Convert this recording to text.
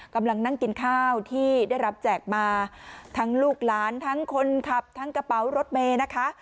กำลังนั่งกินข้าวที่ได้รับแจกมาทั้งลูกหลานทั้งคนขับทั้งกระเป๋ารถเมย์นะคะ